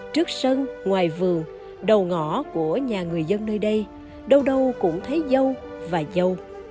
trước sân ngoài vườn đầu ngõ của nhà người dân nơi đây đâu đâu đâu cũng thấy dâu và dâu